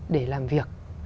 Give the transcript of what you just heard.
để làm việc